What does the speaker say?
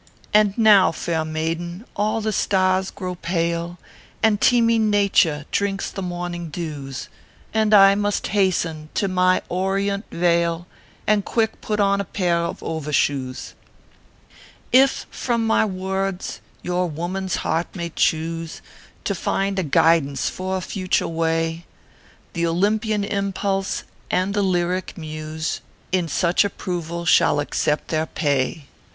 And now, fair maiden, all the stars grow pale, And teeming Nature drinks the morning dews ; And I must hasten to my Orient vale, And quick put on a pair of over shoes. If from my words your woman s heart may choose To find a guidance for a future way, The Olympian impulse and the lyric muse In such approval shall accept their pay.